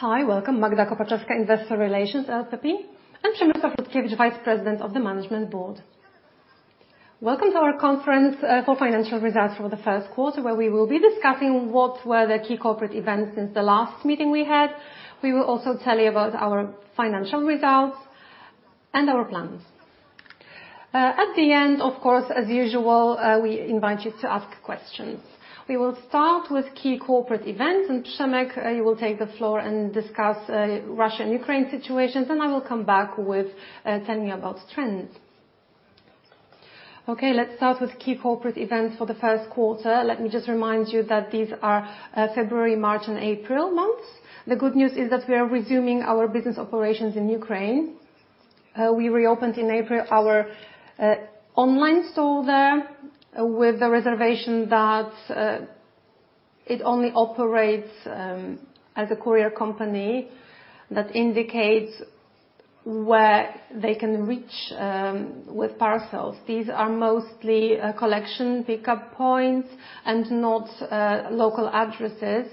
Hi. Welcome. Magda Kopaczewska, Investor Relations, LPP, and Przemysław Lutkiewicz, Vice President of the Management Board. Welcome to our conference for financial results for the first quarter, where we will be discussing what were the key corporate events since the last meeting we had. We will also tell you about our financial results and our plans. At the end, of course, as usual, we invite you to ask questions. We will start with key corporate events, and Przemek, you will take the floor and discuss, Russia and Ukraine situations, and I will come back with, telling you about trends. Okay, let's start with key corporate events for the first quarter. Let me just remind you that these are, February, March, and April months. The good news is that we are resuming our business operations in Ukraine. We reopened in April our online store there with the reservation that it only operates as a courier company that indicates where they can reach with parcels. These are mostly collection pickup points and not local addresses.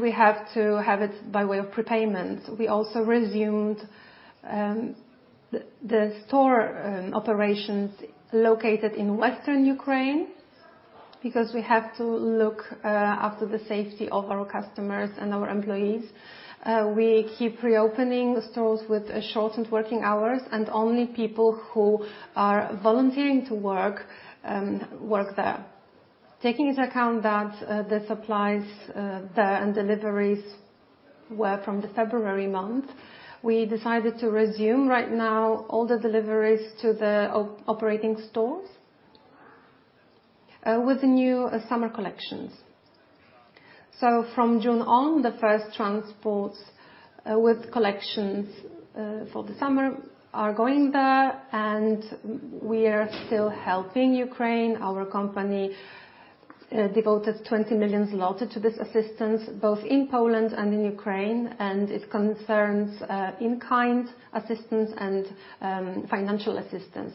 We have to have it by way of prepayment. We also resumed the store operations located in western Ukraine because we have to look after the safety of our customers and our employees. We keep reopening stores with shortened working hours and only people who are volunteering to work, work there. Taking into account that the supplies there and deliveries were from the February month; we decided to resume right now all the deliveries to the operating stores with the new summer collections. From June on, the first transports with collections for the summer are going there, and we are still helping Ukraine. Our company devoted 20 million zloty to this assistance, both in Poland and in Ukraine. It concerns in-kind assistance and financial assistance.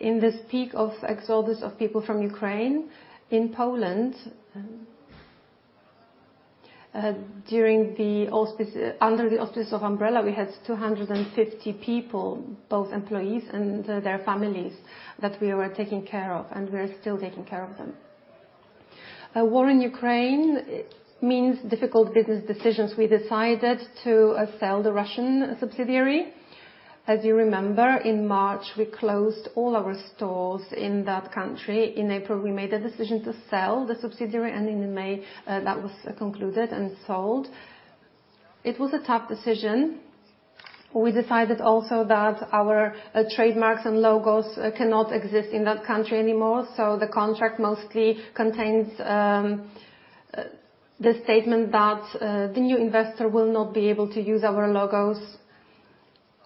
In this peak of exodus of people from Ukraine, in Poland, under the auspices of Umbrella, we had 250 people, both employees and their families, that we were taking care of, and we're still taking care of them. A war in Ukraine means difficult business decisions. We decided to sell the Russian subsidiary. As you remember, in March we closed all our stores in that country. In April, we made a decision to sell the subsidiary, and in May, that was concluded and sold. It was a tough decision. We decided also that our trademarks and logos cannot exist in that country anymore. The contract mostly contains the statement that the new investor will not be able to use our logos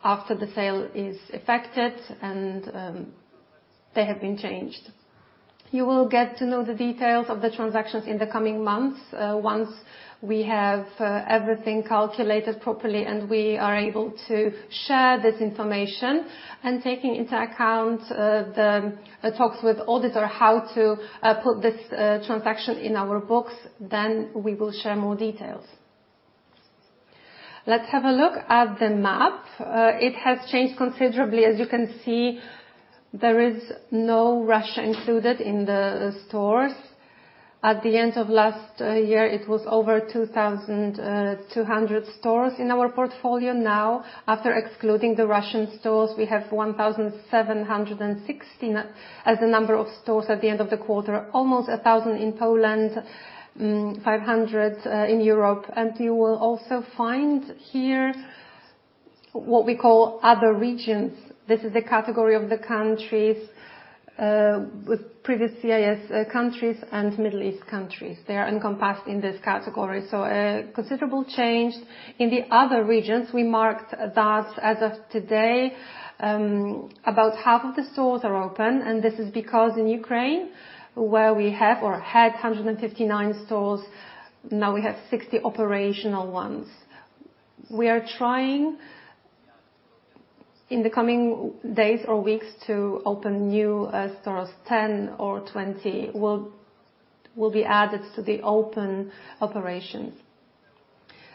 after the sale is effected and they have been changed. You will get to know the details of the transactions in the coming months once we have everything calculated properly and we are able to share this information. Taking into account the talks with auditor, how to put this transaction in our books, then we will share more details. Let's have a look at the map. It has changed considerably. As you can see, there is no Russia included in the stores. At the end of last year, it was over 2,200 stores in our portfolio. Now, after excluding the Russian stores, we have 1,717 as the number of stores at the end of the quarter. Almost 1,000 in Poland, 500 in Europe. You will also find here what we call other regions. This is the category of the countries with previous CIS countries and Middle East countries. They are encompassed in this category. A considerable change. In the other regions, we marked that as of today, about half of the stores are open, and this is because in Ukraine, where we have or had 159 stores, now we have 60 operational ones. We are trying in the coming days or weeks to open new stores. 10 or 20 will be added to the open operations.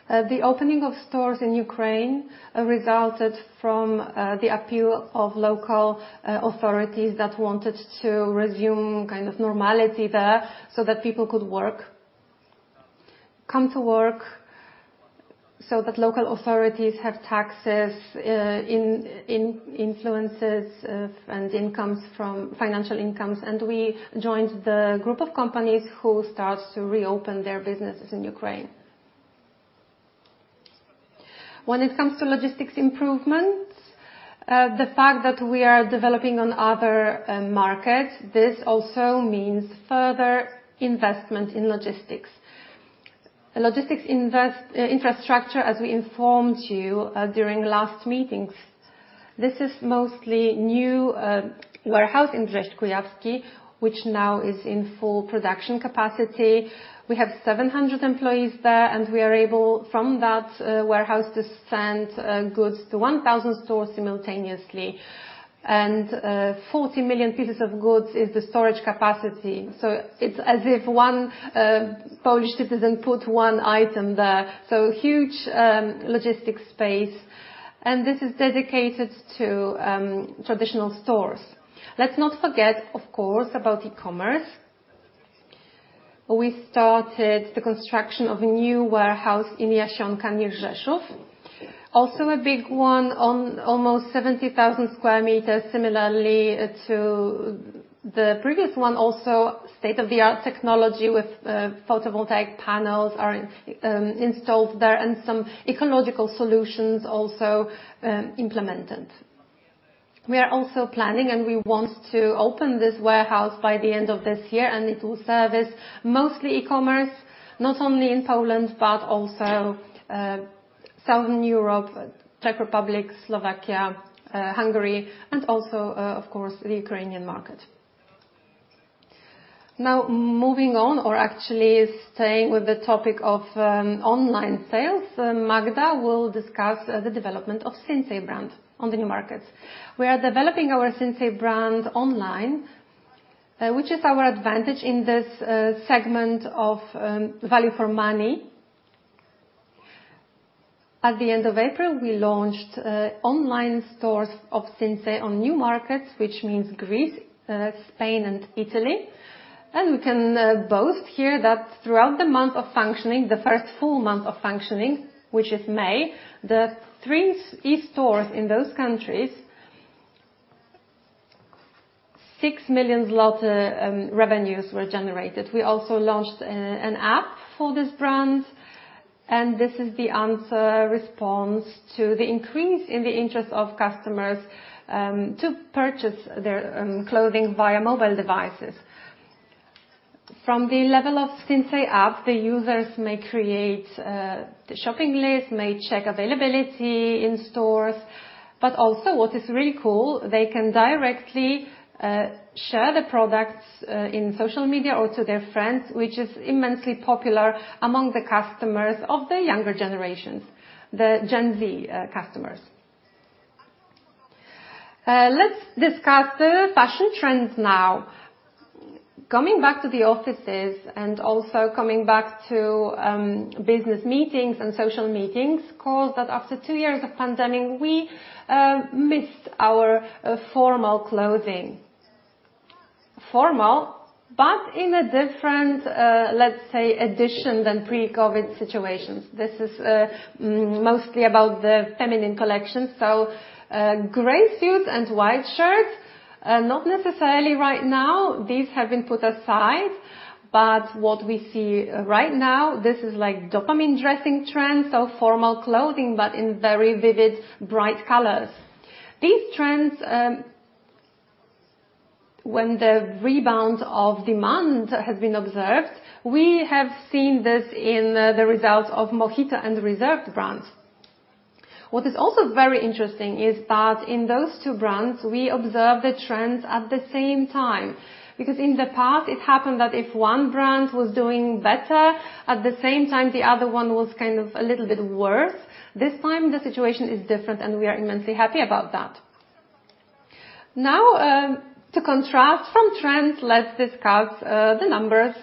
The opening of stores in Ukraine resulted from the appeal of local authorities that wanted to resume kind of normality there so that people could come to work, so that local authorities have taxes, influences, and financial incomes. We joined the group of companies who start to reopen their businesses in Ukraine. When it comes to logistics improvements, the fact that we are developing on other markets, this also means further investment in logistics. Logistics infrastructure, as we informed you during last meetings, this is mostly new warehouse in Brześć Kujawski, which now is in full production capacity. We have 700 employees there, and we are able, from that warehouse, to send goods to 1,000 stores simultaneously. 40 million pieces of goods is the storage capacity. It's as if one Polish citizen put one item there. Huge logistics space, and this is dedicated to traditional stores. Let's not forget, of course, about e-commerce. We started the construction of a new warehouse in Jasionka near Rzeszów. Also, a big one on almost 70,000 square meters, similarly to the previous one. Also, state-of-the-art technology with photovoltaic panels are installed there and some ecological solutions also implemented. We are also planning, and we want to open this warehouse by the end of this year, and it will service mostly e-commerce, not only in Poland, but also Southern Europe, Czech Republic, Slovakia, Hungary, and also of course, the Ukrainian market. Now, moving on, or actually staying with the topic of online sales, Magda will discuss the development of Sinsay brand on the new markets. We are developing our Sinsay brand online, which is our advantage in this segment of value for money. At the end of April, we launched online stores of Sinsay on new markets, which means Greece, Spain and Italy. We can boast here that throughout the month of functioning, the first full month of functioning, which is May, the 3 e-stores in those countries, 6 million zloty revenues were generated. We also launched an app for this brand, and this is the answer, response to the increase in the interest of customers to purchase their clothing via mobile devices. From the level of Sinsay app, the users may create the shopping list, may check availability in stores. Also what is really cool, they can directly share the products in social media or to their friends, which is immensely popular among the customers of the younger generations, the Gen Z customers. Let's discuss the fashion trends now. Coming back to the offices and also coming back to business meetings and social meetings caused that after two years of pandemic, we missed our formal clothing. Formal, but in a different edition than pre-COVID situations. This is mostly about the feminine collection. Gray suits and white shirts not necessarily right now. These have been put aside. What we see right now, this is like dopamine dressing trends, so formal clothing, but in very vivid, bright colors. These trends, when the rebound of demand has been observed, we have seen this in the results of Mohito and the Reserved brands. What is also very interesting is that in those two brands, we observe the trends at the same time. In the past, it happened that if one brand was doing better, at the same time, the other one was kind of a little bit worse. This time, the situation is different, and we are immensely happy about that. Now, to contrast from trends, let's discuss the numbers.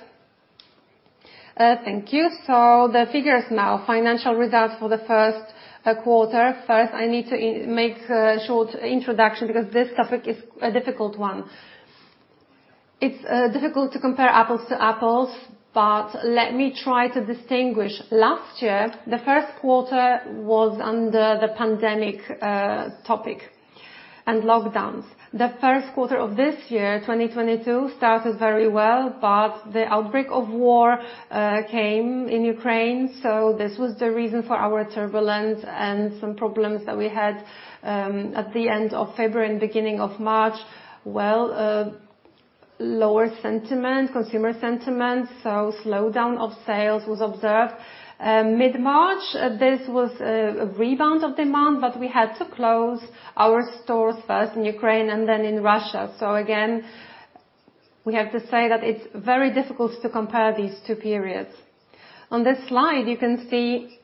Thank you. The figures now, financial results for the first quarter. First, I need to make a short introduction because this topic is a difficult one. It's difficult to compare apples to apples, but let me try to distinguish. Last year, the first quarter was under the pandemic topic and lockdowns. The first quarter of this year, 2022, started very well, but the outbreak of war came in Ukraine, so this was the reason for our turbulence and some problems that we had at the end of February and beginning of March. Lower sentiment, consumer sentiment, so slowdown of sales was observed. Mid-March, this was a rebound of demand, but we had to close our stores first in Ukraine and then in Russia. Again, we have to say that it's very difficult to compare these two periods. On this slide, you can see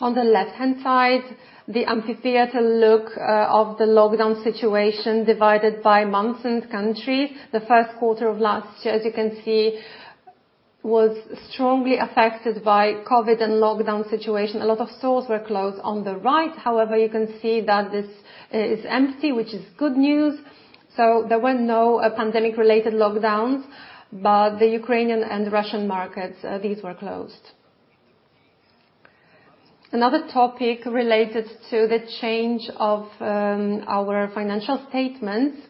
on the left-hand side the empty theater look of the lockdown situation divided by months and countries. The first quarter of last year, as you can see, was strongly affected by COVID and lockdown situation. A lot of stores were closed. On the right, however, you can see that this is empty, which is good news. There were no pandemic-related lockdowns, but the Ukrainian and Russian markets these were closed. Another topic related to the change of our financial statements.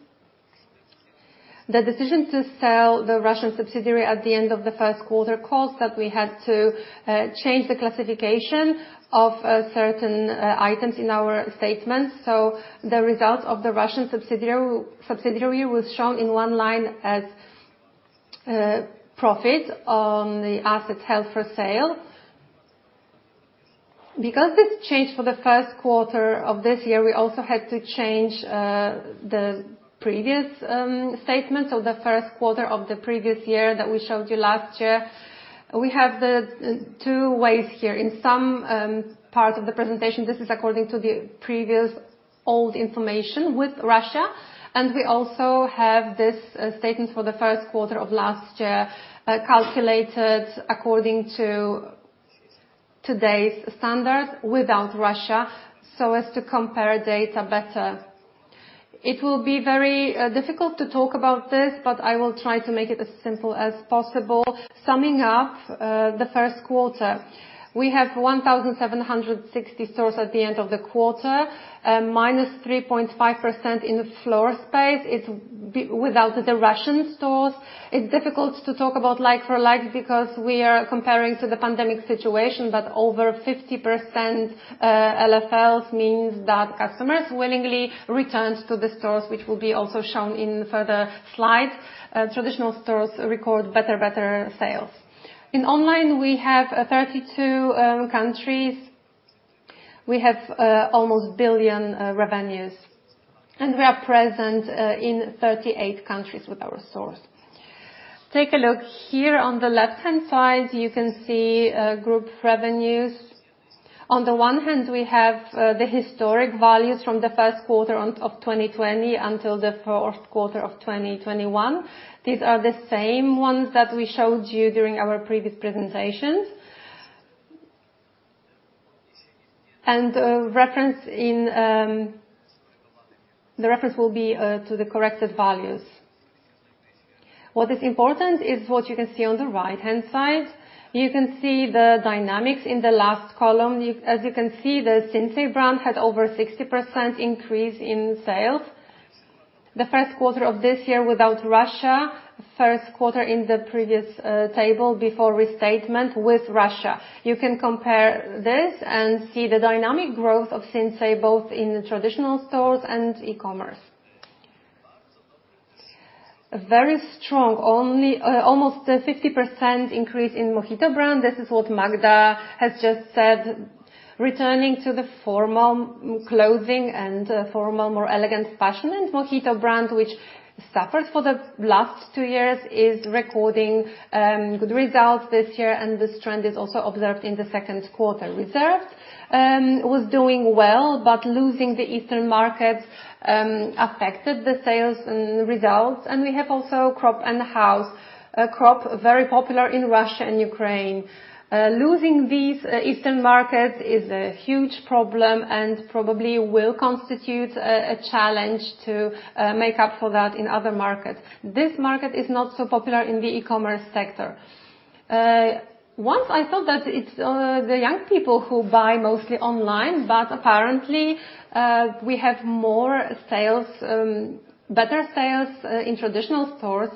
The decision to sell the Russian subsidiary at the end of the first quarter caused that we had to change the classification of certain items in our statements. The results of the Russian subsidiary was shown in one line as profit on the assets held for sale. Because this changed for the first quarter of this year, we also had to change the previous statements of the first quarter of the previous year that we showed you last year. We have the two ways here. In some part of the presentation, this is according to the previous old information with Russia. We also have this statements for the first quarter of last year, calculated according to today's standard without Russia, so as to compare data better. It will be very difficult to talk about this, but I will try to make it as simple as possible. Summing up the first quarter. We have 1,760 stores at the end of the quarter, minus 3.5% in floor space. It's without the Russian stores. It's difficult to talk about like-for-like because we are comparing to the pandemic situation, but over 50% LFLs means that customers willingly returned to the stores, which will be also shown in further slides. Traditional stores record better sales. Online, we have 32 countries. We have almost 1 billion revenues. We are present in 38 countries with our stores. Take a look here on the left-hand side, you can see group revenues. On the one hand, we have the historic values from the first quarter of 2020 until the fourth quarter of 2021. These are the same ones that we showed you during our previous presentations. The reference will be to the corrected values. What is important is what you can see on the right-hand side. You can see the dynamics in the last column. As you can see, the Sinsay brand had over 60% increase in sales. The first quarter of this year without Russia, first quarter in the previous table before restatement with Russia. You can compare this and see the dynamic growth of Sinsay both in traditional stores and e-commerce. A very strong, only, almost 50% increase in Mohito brand. This is what Magda has just said, returning to the formal clothing and formal more elegant fashion. Mohito brand, which suffered for the last two years, is recording good results this year, and this trend is also observed in the second quarter. Reserved was doing well, but losing the Eastern markets affected the sales and results. We have also Cropp and House. Cropp, very popular in Russia and Ukraine. Losing these Eastern markets is a huge problem and probably will constitute a challenge to make up for that in other markets. This market is not so popular in the e-commerce sector. Once I thought that it's the young people who buy mostly online, but apparently, we have more sales, better sales in traditional stores.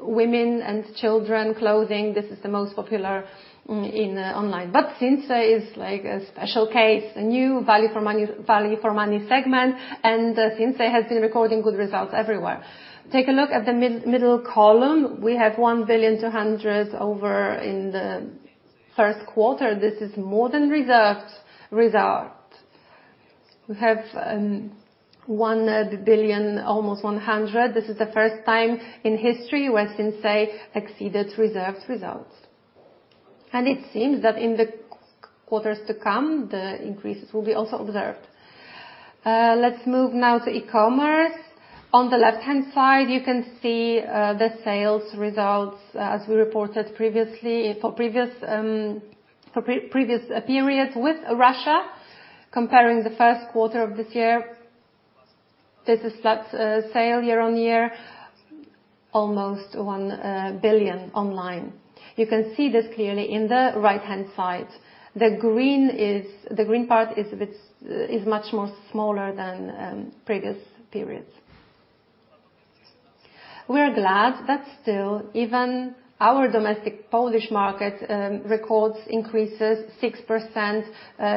Women and children clothing, this is the most popular in online. Sinsay is like a special case, a new value for money segment. Sinsay has been recording good results everywhere. Take a look at the middle column. We have 1.2 billion in the first quarter. This is more than Reserved's result. We have 1 billion, almost 100 million. This is the first time in history where Sinsay exceeded Reserved's results. It seems that in the quarters to come, the increases will also be observed. Let's move now to e-commerce. On the left-hand side, you can see the sales results as we reported previously. For previous periods with Russia, comparing the first quarter of this year. This is flat sales year-on-year, almost 1 billion online. You can see this clearly in the right-hand side. The green part is a bit much more smaller than previous periods. We're glad that still even our domestic Polish market records 6%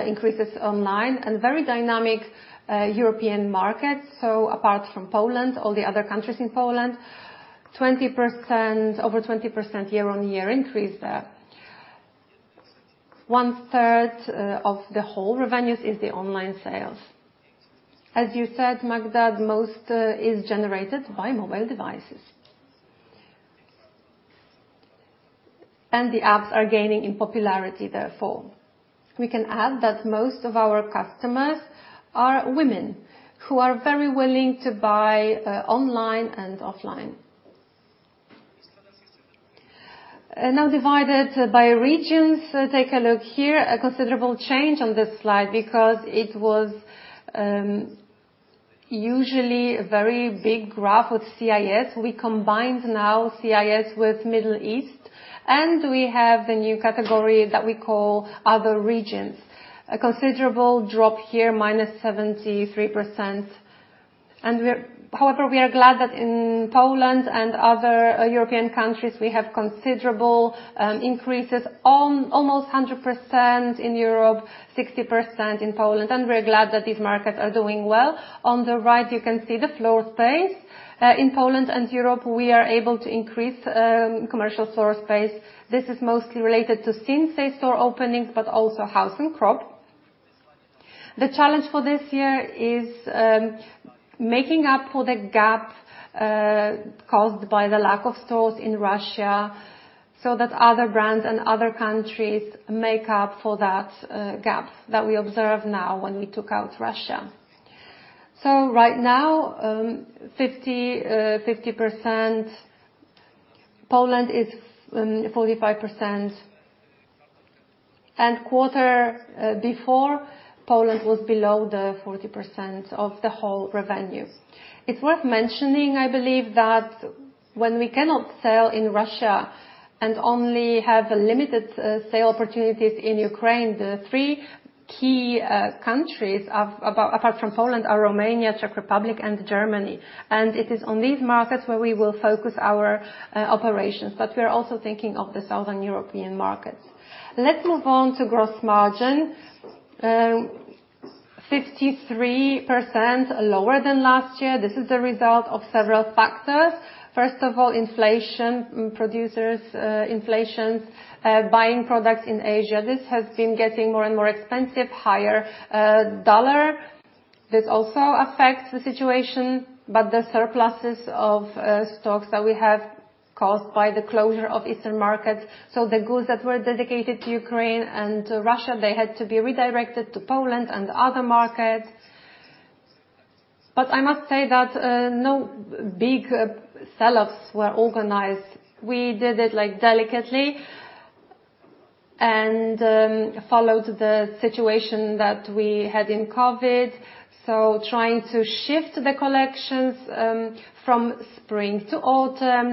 increases online and very dynamic European markets. Apart from Poland, all the other countries in Europe, 20%, over 20% year-on-year increase there. 1/3 of the whole revenues is the online sales. As you said, Magda, the most is generated by mobile devices. The apps are gaining in popularity, therefore. We can add that most of our customers are women who are very willing to buy online and offline. Now divided by regions. Take a look here. A considerable change on this slide because it was usually a very big graph with CIS. We combined now CIS with Middle East, and we have the new category that we call Other Regions. A considerable drop here, minus 73%. However, we are glad that in Poland and other European countries, we have considerable increases. Almost 100% in Europe, 60% in Poland, and we're glad that these markets are doing well. On the right, you can see the floor space. In Poland and Europe, we are able to increase commercial floor space. This is mostly related to Sinsay store openings, but also House and Cropp. The challenge for this year is making up for the gap caused by the lack of stores in Russia, so that other brands and other countries make up for that gap that we observe now when we took out Russia. Right now, 50%. Poland is 45%. In the quarter before Poland was below the 40% of the whole revenue. It's worth mentioning, I believe, that when we cannot sell in Russia and only have limited sale opportunities in Ukraine, the three key countries apart from Poland are Romania, Czech Republic, and Germany. It is on these markets where we will focus our operations. We're also thinking of the Southern European markets. Let's move on to gross margin. 53% lower than last year. This is a result of several factors. First of all, inflation. Producers buying products in Asia. This has been getting more and more expensive. Higher dollar. This also affects the situation, but the surpluses of stocks that we have caused by the closure of Eastern markets. The goods that were dedicated to Ukraine and Russia, they had to be redirected to Poland and other markets. I must say that no big sell-offs were organized. We did it like delicately and followed the situation that we had in COVID. Trying to shift the collections from spring to autumn.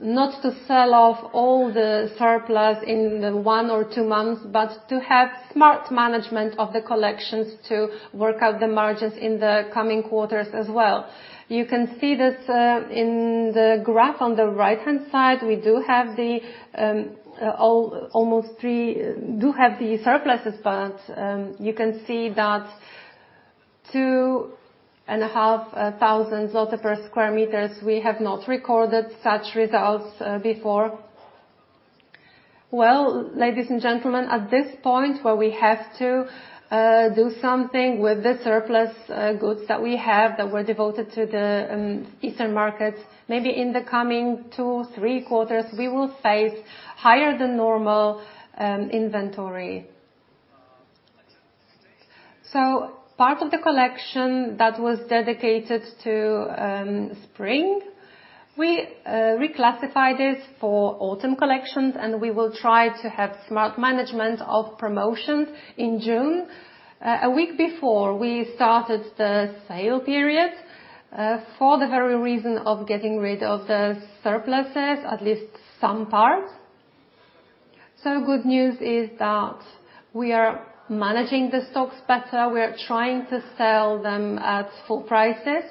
Not to sell off all the surplus in one or two months, but to have smart management of the collections to work out the margins in the coming quarters as well. You can see that in the graph on the right-hand side, we do have the surpluses, but you can see that 2,500 per square meters, we have not recorded such results before. Well, ladies and gentlemen, at this point where we have to do something with the surplus goods that we have, that were devoted to the Eastern markets, maybe in the coming two, three quarters, we will face higher than normal inventory. Part of the collection that was dedicated to spring, we reclassify this for autumn collections, and we will try to have smart management of promotion in June. A week before we started the sale period for the very reason of getting rid of the surpluses, at least some parts. Good news is that we are managing the stocks better. We are trying to sell them at full prices.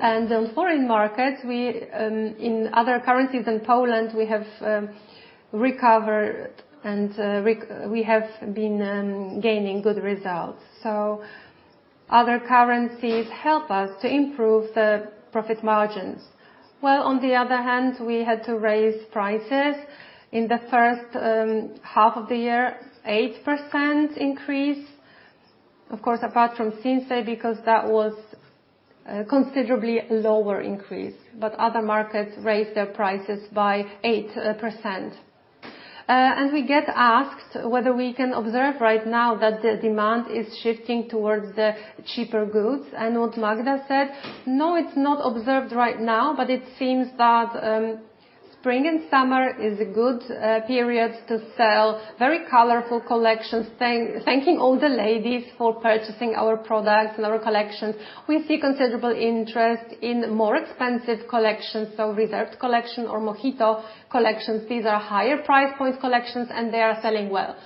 On foreign markets, we in other currencies in Poland, we have been gaining good results. Other currencies help us to improve the profit margins. On the other hand, we had to raise prices in the first half of the year, 8% increase. Of course, apart from Sinsay, because that was a considerably lower increase, but other markets raised their prices by 8%. We get asked whether we can observe right now that the demand is shifting towards the cheaper goods. What Magda said, no, it's not observed right now, but it seems that spring and summer is a good period to sell very colorful collections. Thanking all the ladies for purchasing our products and our collections. We see considerable interest in more expensive collections, so Reserved collection or Mohito collections. These are higher price point collections, and they are selling well.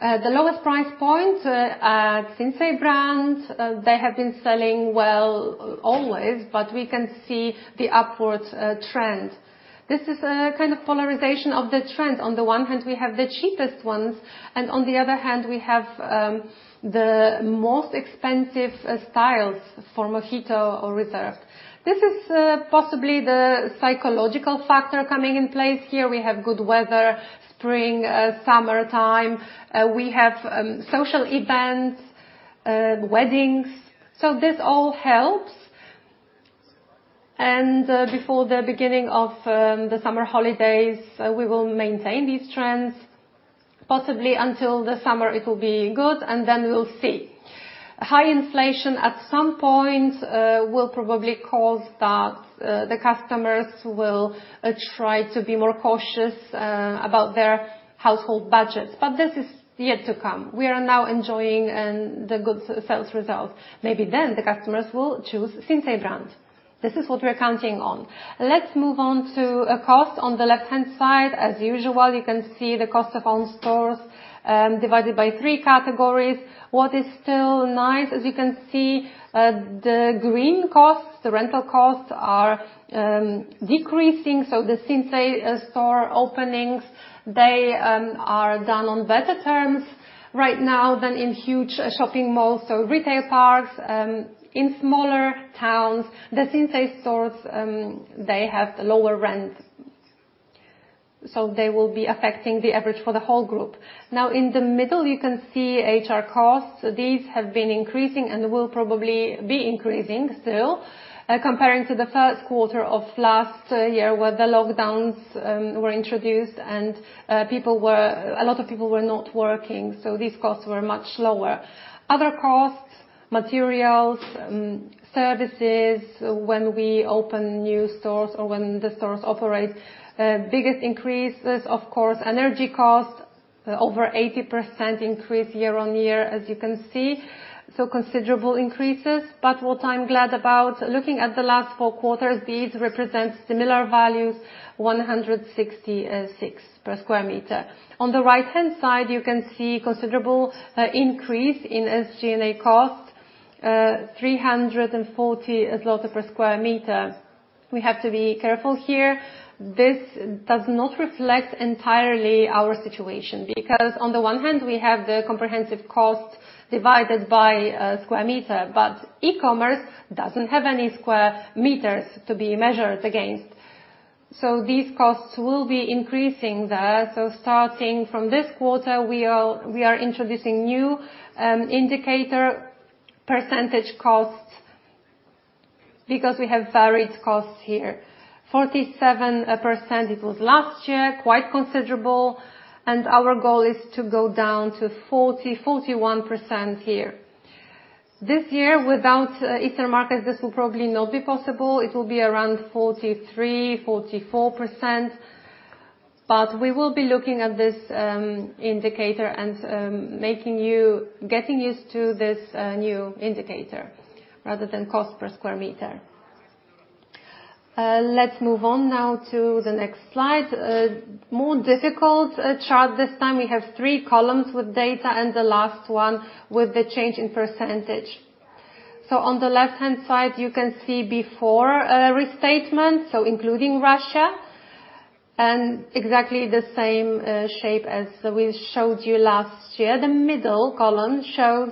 The lowest price point at Sinsay brand, they have been selling well always, but we can see the upwards trend. This is a kind of polarization of the trend. On the one hand, we have the cheapest ones, and on the other hand, we have the most expensive styles for Mohito or Reserved. This is possibly the psychological factor coming in place here. We have good weather, spring, summer time. We have social events, weddings. So this all helps. Before the beginning of the summer holidays, we will maintain these trends. Possibly until the summer it will be good, and then we'll see. High inflation at some point will probably cause that the customers will try to be more cautious about their household budgets, but this is yet to come. We are now enjoying the good sales results. Maybe then the customers will choose Sinsay brand. This is what we're counting on. Let's move on to cost. On the left-hand side, as usual, you can see the cost of own stores divided by three categories. What is still nice, as you can see, the green costs, the rental costs are decreasing. The Sinsay store openings, they are done on better terms right now than in huge shopping malls. Retail parks in smaller towns, the Sinsay stores, they have lower rent costs. They will be affecting the average for the whole group. Now in the middle, you can see HR costs. These have been increasing and will probably be increasing still, comparing to the first quarter of last year, where the lockdowns were introduced and, a lot of people were not working, so these costs were much lower. Other costs, materials, services when we open new stores or when the stores operate. Biggest increase is of course energy costs, over 80% increase year-on-year as you can see. Considerable increases, but what I'm glad about, looking at the last four quarters, these represent similar values, 166 per sq m. On the right-hand side, you can see considerable increase in SG&A costs, 340 PLN per sq m. We have to be careful here. This does not reflect entirely our situation, because on the one hand, we have the comprehensive cost divided by sq m, but e-commerce doesn't have any square meters to be measured against. These costs will be increasing there. Starting from this quarter, we are introducing new indicator percentage cost because we have varied costs here. 47% it was last year, quite considerable, and our goal is to go down to 40%-41% here. This year, without Easter markets, this will probably not be possible. It will be around 43%-44%. We will be looking at this indicator and getting used to this new indicator rather than cost per square meter. Let's move on now to the next slide. More difficult chart this time. We have three columns with data and the last one with the change in percentage. On the left-hand side, you can see before restatement, so including Russia, and exactly the same shape as we showed you last year. The middle column shows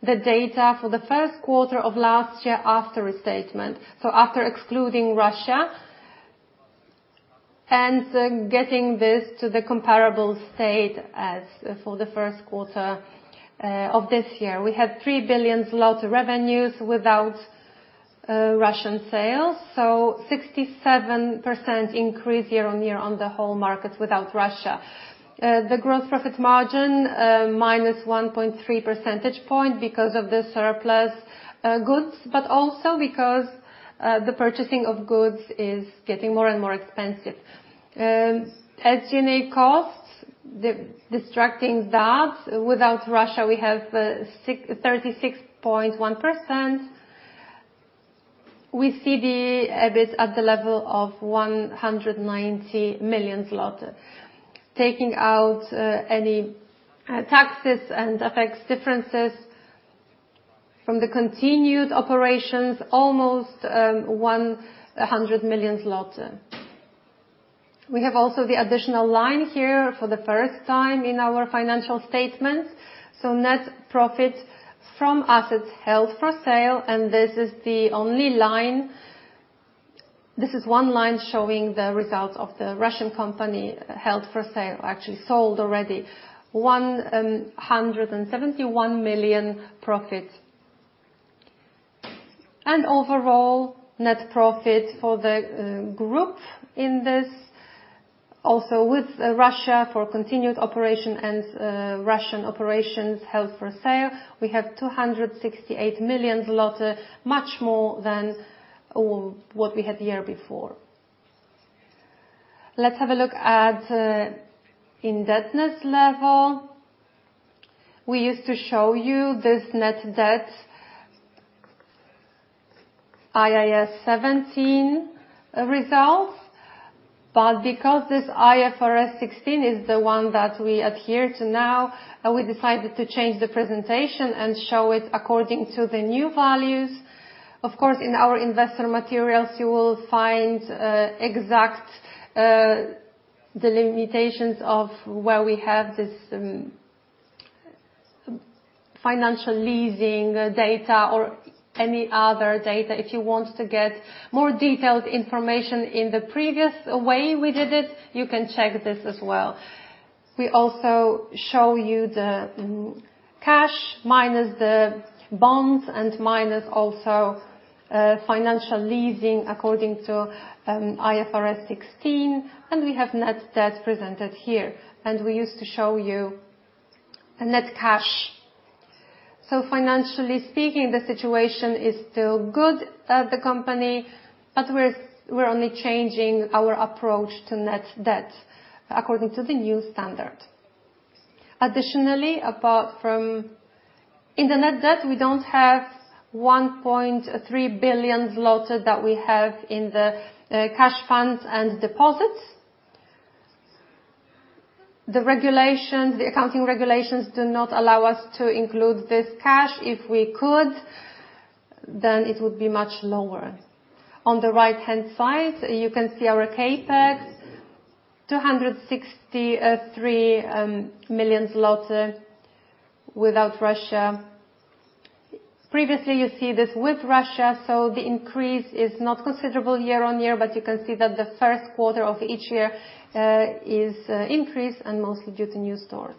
the data for the first quarter of last year after restatement, so after excluding Russia. Getting this to the comparable state as for the first quarter of this year. We have 3 billion revenues without Russian sales, so 67% increase year-on-year on the whole market without Russia. The growth profit margin minus 1.3 percentage point because of the surplus goods, but also because the purchasing of goods is getting more and more expensive. SG&A costs, deducting that, without Russia, we have 36.1%. We see the EBIT at the level of 190 million zloty. Taking out any taxes and FX differences from the continued operations, almost 100 million zlotys. We have also the additional line here for the first time in our financial statements. Net profit from assets held for sale, and this is the only line. This is one line showing the results of the Russian company held for sale, actually sold already. 171 million profit. Overall, net profit for the group in this, also with Russia for continued operation and Russian operations held for sale, we have 268 million zloty, much more than what we had the year before. Let's have a look at indebtedness level. We used to show you this net debt IAS 17 results, but because this IFRS 16 is the one that we adhere to now, we decided to change the presentation and show it according to the new values. Of course, in our investor materials, you will find exact delimitations of where we have this financial leasing data or any other data. If you want to get more detailed information in the previous way we did it, you can check this as well. We also show you the cash minus the bonds and minus also, financial leasing according to, IFRS 16, and we have net debt presented here. We used to show you net cash. Financially speaking, the situation is still good at the company, but we're only changing our approach to net debt according to the new standard. Additionally, apart from in the net debt, we don't have 1.3 billion zloty that we have in the cash funds and deposits. The regulations, the accounting regulations do not allow us to include this cash. If we could, then it would be much lower. On the right-hand side, you can see our CapEx, 263 million zloty without Russia. Previously, you see this with Russia. The increase is not considerable year-on-year, but you can see that the first quarter of each year is increased and mostly due to new stores.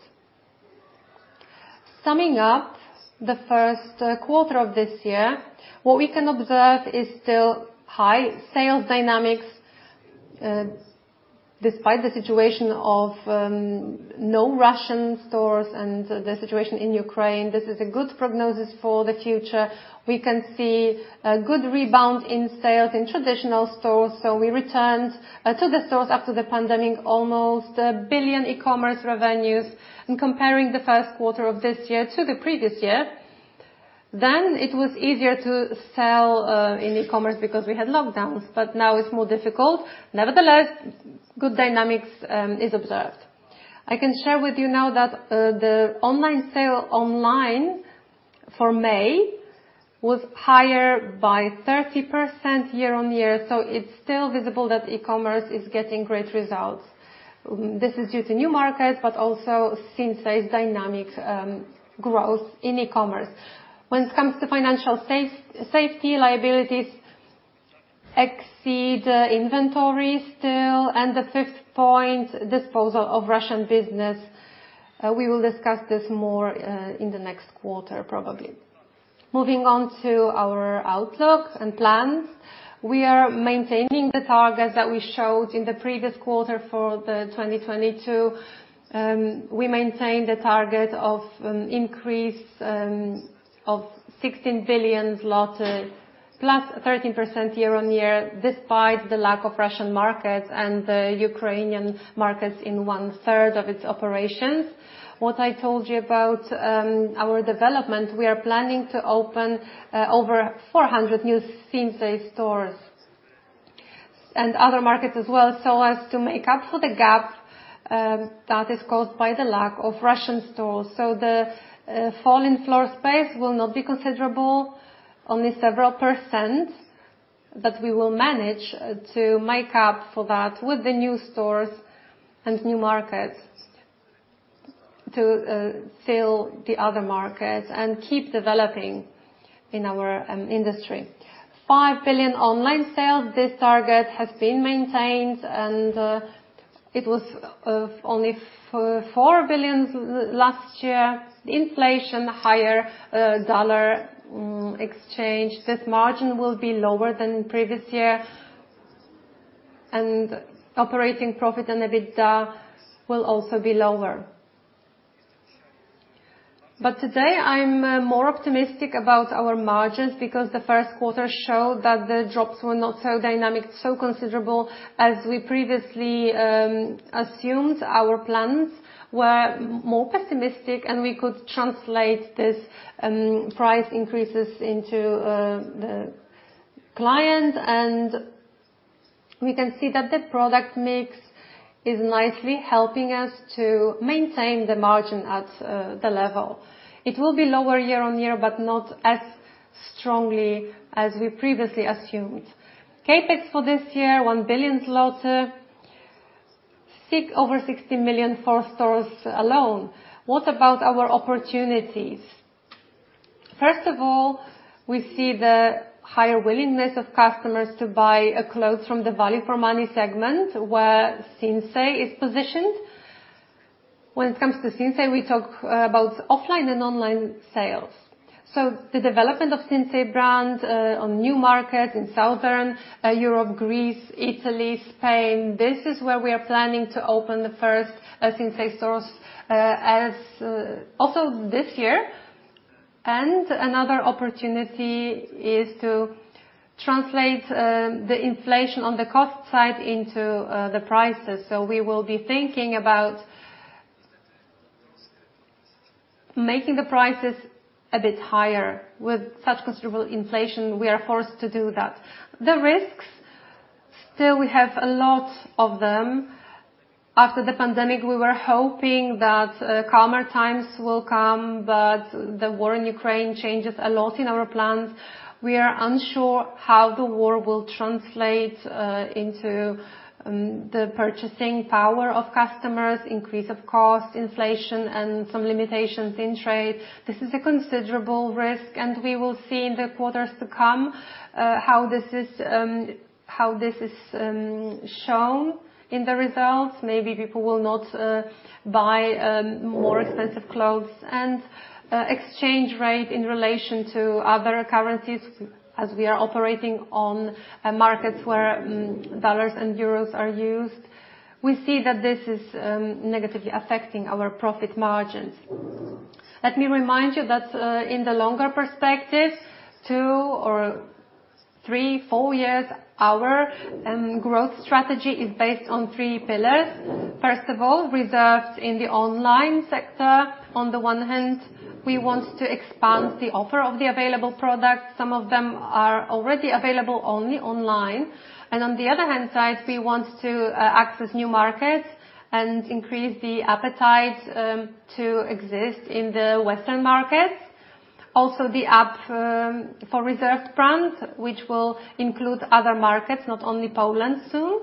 Summing up the first quarter of this year, what we can observe is still high sales dynamics, despite the situation of no Russian stores and the situation in Ukraine. This is a good prognosis for the future. We can see a good rebound in sales in traditional stores. We returned to the stores after the pandemic, almost 1 billion e-commerce revenues. In comparing the first quarter of this year to the previous year, then it was easier to sell in e-commerce because we had lockdowns, but now it's more difficult. Nevertheless, good dynamics is observed. I can share with you now that the online sales for May was higher by 30% year-on-year. It's still visible that e-commerce is getting great results. This is due to new markets, but also same-store sales dynamics, growth in e-commerce. When it comes to financial safety, liabilities exceed inventory still. The fifth point, disposal of Russian business. We will discuss this more in the next quarter, probably. Moving on to our outlook and plans. We are maintaining the targets that we showed in the previous quarter for 2022. We maintain the target of an increase of 16 billion zlotys +13% year-on-year, despite the lack of Russian markets and the Ukrainian markets in one-third of its operations. What I told you about our development, we are planning to open over 400 new same store sales stores and other markets as well, so as to make up for the gap that is caused by the lack of Russian stores. The fall in floor space will not be considerable, only several %, but we will manage to make up for that with the new stores and new markets to fill the other markets and keep developing in our industry. 5 billion online sales. This target has been maintained, and it was only 4 billion last year. Inflation, higher dollar exchange, this margin will be lower than previous year. Operating profit and EBITDA will also be lower. Today I'm more optimistic about our margins because the first quarter showed that the drops were not so dynamic, so considerable as we previously assumed. Our plans were more pessimistic, and we could translate this price increases into the client. We can see that the product mix is nicely helping us to maintain the margin at the level. It will be lower year-on-year, but not as strongly as we previously assumed. CapEx for this year, 1 billion zloty. Over 60 million for stores alone. What about our opportunities? First of all, we see the higher willingness of customers to buy clothes from the value for money segment, where Sinsay is positioned. When it comes to Sinsay, we talk about offline and online sales. The development of Sinsay brand on new markets in Southern Europe, Greece, Italy, Spain, this is where we are planning to open the first Sinsay stores as also this year. Another opportunity is to translate the inflation on the cost side into the prices. We will be thinking about making the prices a bit higher. With such considerable inflation, we are forced to do that. The risks, still we have a lot of them. After the pandemic, we were hoping that calmer times will come, but the war in Ukraine changes a lot in our plans. We are unsure how the war will translate into the purchasing power of customers, increase of cost, inflation, and some limitations in trade. This is a considerable risk, and we will see in the quarters to come how this is shown in the results. Maybe people will not buy more expensive clothes. Exchange rate in relation to other currencies as we are operating on markets where dollars and euros are used, we see that this is negatively affecting our profit margins. Let me remind you that in the longer perspective, 2 or 3, 4 years, our growth strategy is based on three pillars. First of all, Reserved in the online sector. On the one hand, we want to expand the offer of the available products. Some of them are already available only online. On the other hand side, we want to access new markets and increase the appetite to exist in the Western markets. The app for Reserved brand, which will include other markets, not only Poland soon.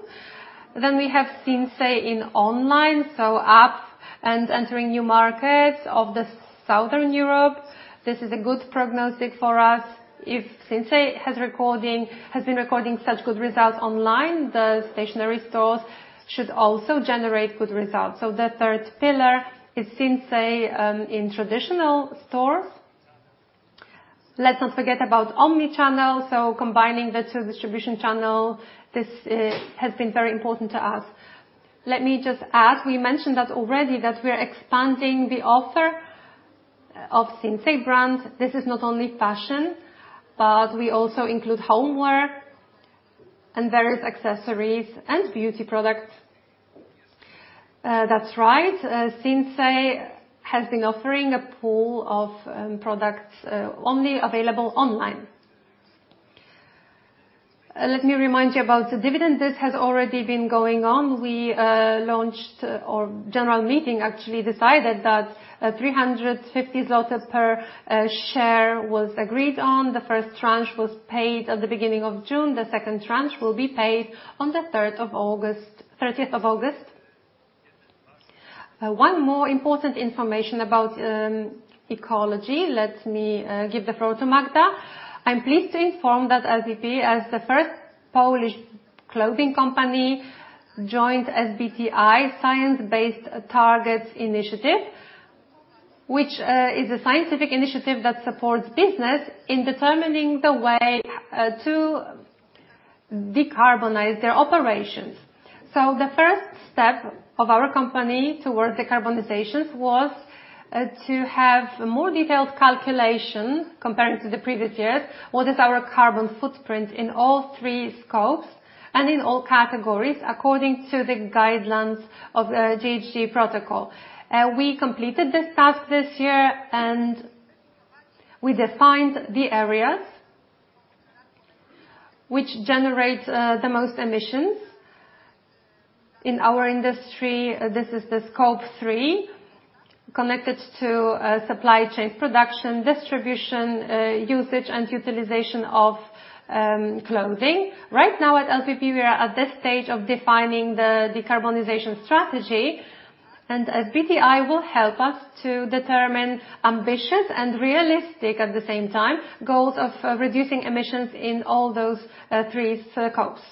We have Sinsay online, so app and entering new markets of the Southern Europe. This is a good prognosis for us. If Sinsay has been recording such good results online, the stationary stores should also generate good results. The third pillar is Sinsay in traditional stores. Let's not forget about omnichannel. Combining the two distribution channel, this has been very important to us. Let me just add, we mentioned that already that we are expanding the offer of Sinsay brand. This is not only fashion, but we also include homeware and various accessories and beauty products. That's right, Sinsay has been offering a pool of products only available online. Let me remind you about the dividend. This has already been going on. We our general meeting actually decided that 350 zloty per share was agreed on. The first tranche was paid at the beginning of June. The second tranche will be paid on the 30th of August. One more important information about ecology. Let me give the floor to Magda. I'm pleased to inform that LPP, as the first Polish clothing company, joined SBTi, Science-Based Targets initiative, which is a scientific initiative that supports business in determining the way to decarbonize their operations. The first step of our company towards decarbonization was to have more detailed calculation comparing to the previous years, what is our carbon footprint in all three scopes and in all categories according to the guidelines of the GHG Protocol. We completed this task this year, and we defined the areas which generate the most emissions. In our industry, this is the Scope 3, connected to supply chain production, distribution, usage, and utilization of clothing. Right now at LPP, we are at this stage of defining the decarbonization strategy. SBTI will help us to determine ambitious and realistic, at the same time, goals of reducing emissions in all those three scopes.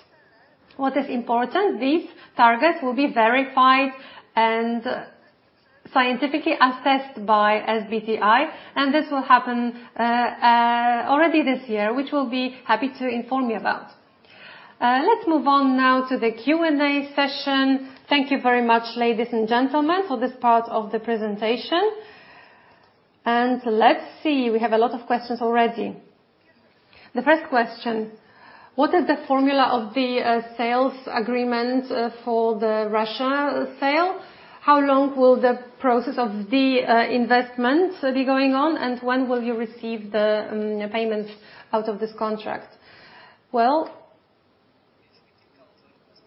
What is important, these targets will be verified and scientifically assessed by SBTI, and this will happen already this year, which we'll be happy to inform you about. Let's move on now to the Q&A session. Thank you very much, ladies and gentlemen, for this part of the presentation. Let's see. We have a lot of questions already. The first question: What is the form of the sales agreement for the Russia sale? How long will the process of the divestment be going on, and when will you receive the payments out of this contract? Well,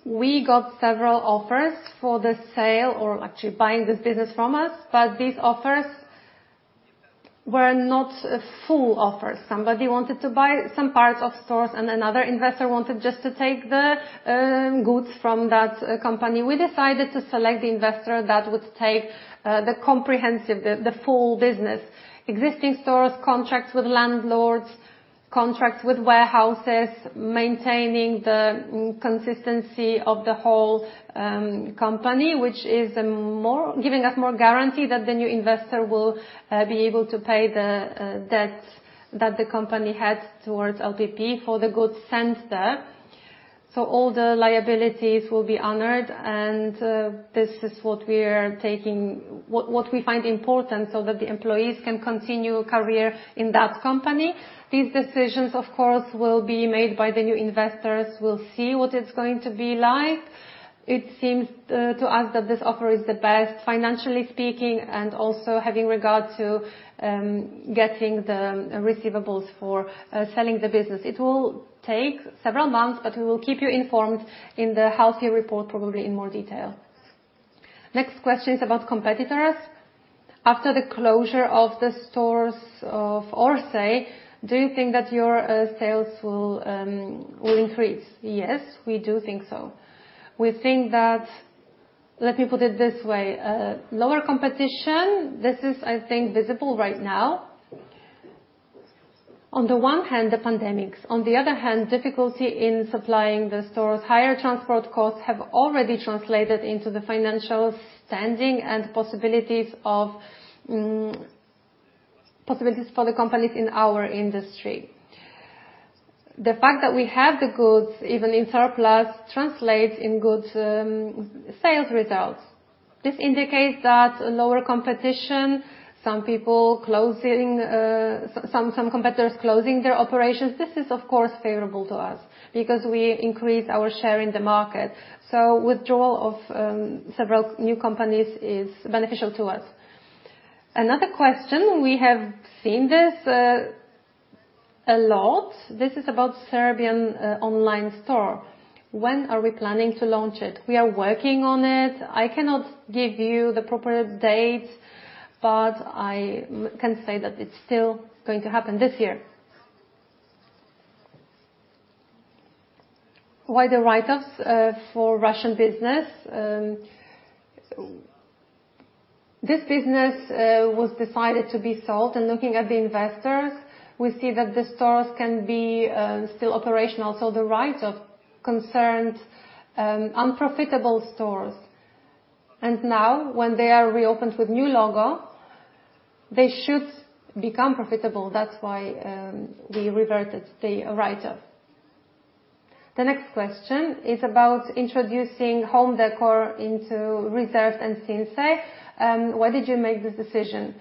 we got several offers for the sale or actually buying this business from us, but these offers were not full offers. Somebody wanted to buy some parts of stores, and another investor wanted just to take the goods from that company. We decided to select the investor that would take the comprehensive, the full business. Existing stores, contracts with landlords, contracts with warehouses, maintaining the consistency of the whole company, which is more giving us more guarantee that the new investor will be able to pay the debts that the company has towards LPP for the goods sent there. All the liabilities will be honored and this is what we find important so that the employees can continue career in that company. These decisions, of course, will be made by the new investors. We'll see what it's going to be like. It seems to us that this offer is the best, financially speaking, and also having regard to getting the receivables for selling the business. It will take several months, but we will keep you informed in the half-year report, probably in more detail. Next question is about competitors. After the closure of the stores of Orsay, do you think that your sales will increase? Yes, we do think so. We think that. Let me put it this way. Lower competition, this is, I think, visible right now. On the one hand, the pandemic, on the other hand, difficulty in supplying the stores. Higher transport costs have already translated into the financial standing and possibilities for the companies in our industry. The fact that we have the goods, even in surplus, translates into good sales results. This indicates that lower competition, some competitors closing their operations, this is of course favorable to us because we increase our share in the market. Withdrawal of several new companies is beneficial to us. Another question, we have seen this a lot. This is about Serbian online store. When are we planning to launch it? We are working on it. I cannot give you the proper dates, but I can say that it's still going to happen this year. Why the write-offs for Russian business? This business was decided to be sold. Looking at the investors, we see that the stores can be still operational. The write-off concerns unprofitable stores. Now when they are reopened with new logo, they should become profitable. That's why we reverted the write-off. The next question is about introducing home decor into Reserved and Sinsay. Why did you make this decision?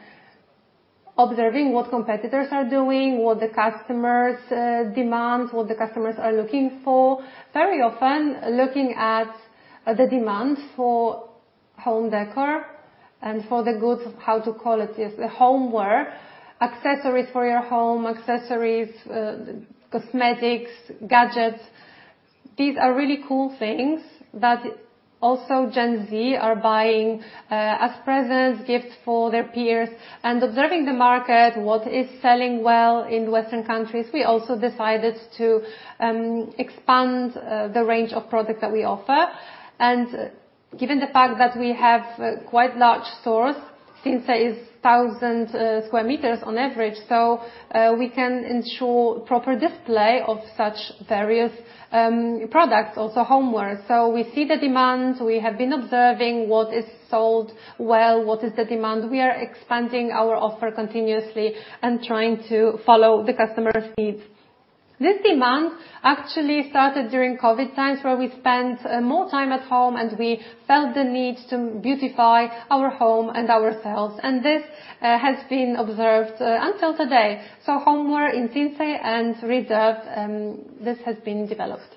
Observing what competitors are doing, what the customers demand, what the customers are looking for. Very often, looking at the demand for home decor and for the goods, how to call it? Yes, the homeware, accessories for your home, accessories, cosmetics, gadgets. These are really cool things that also Gen Z are buying as presents, gifts for their peers. Observing the market, what is selling well in Western countries, we also decided to expand the range of products that we offer. Given the fact that we have quite large stores, Sinsay is 1,000 square meters on average, we can ensure proper display of such various products, also homeware. We see the demands. We have been observing what is sold well, what is the demand. We are expanding our offer continuously and trying to follow the customer needs. This demand actually started during COVID times, where we spent more time at home, and we felt the need to beautify our home and ourselves. This has been observed until today. Homeware in Sinsay and Reserved this has been developed.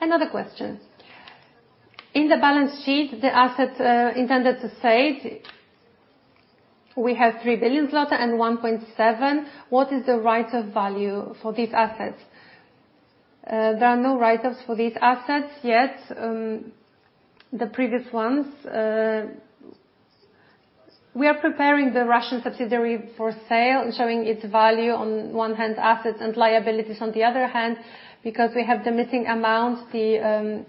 Another question. In the balance sheet, the assets intended for sale, we have 3 billion zloty and 1.7. What is the write-off value for these assets? There are no write-offs for these assets yet. The previous ones. We are preparing the Russian subsidiary for sale and showing its value on one hand, assets and liabilities on the other hand, because we have the missing amount, the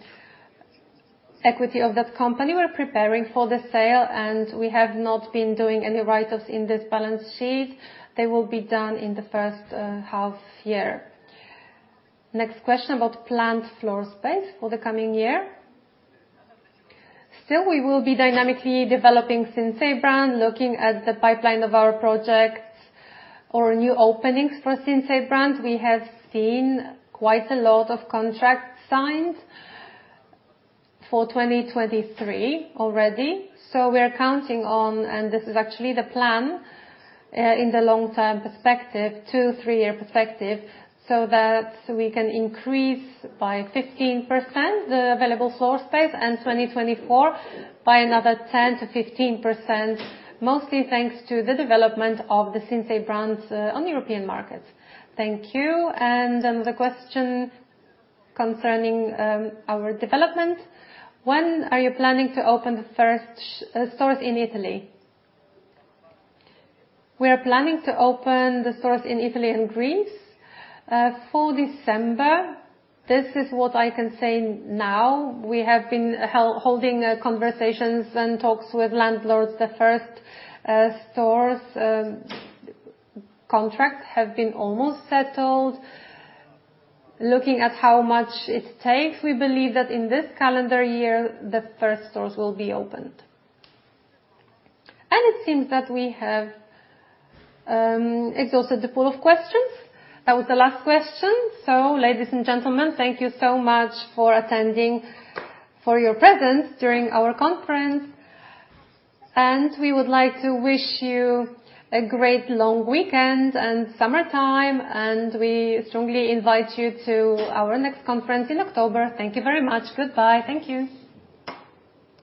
equity of that company. We're preparing for the sale, and we have not been doing any write-offs in this balance sheet. They will be done in the first half year. Next question about planned floor space for the coming year. Still, we will be dynamically developing Sinsay brand. Looking at the pipeline of our projects or new openings for Sinsay brands, we have seen quite a lot of contracts signed for 2023 already. We are counting on, and this is actually the plan, in the long-term perspective, two-three year perspective, so that we can increase by 15% the available floor space in 2024, by another 10%-15%, mostly thanks to the development of the Sinsay brands, on European markets. Thank you. Another question concerning our development. When are you planning to open the first store in Italy? We are planning to open the stores in Italy and Greece for December. This is what I can say now. We have been holding conversations and talks with landlords. The first stores contracts have been almost settled. Looking at how much it takes, we believe that in this calendar year, the first stores will be opened. It seems that we have exhausted the pool of questions. That was the last question. Ladies and gentlemen, thank you so much for attending, for your presence during our conference, and we would like to wish you a great long weekend and summertime, and we strongly invite you to our next conference in October. Thank you very much. Goodbye. Thank you.